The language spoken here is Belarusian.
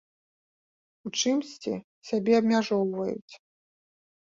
У чымсьці сябе абмяжоўваць.